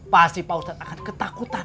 pasti pausat akan ketakutan